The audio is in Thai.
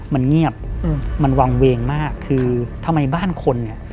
มันเงียบมันวางเวงมากคือทำไมบ้านคนเนี่ย